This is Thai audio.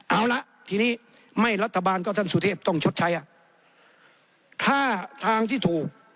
เอาละทีนี้ไม่รัฐบาลก็ท่านสุเทพต้องชดใช้อ่ะค่าทางที่ถูก